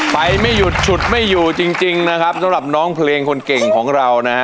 ไปไม่หยุดฉุดไม่อยู่จริงนะครับสำหรับน้องเพลงคนเก่งของเรานะฮะ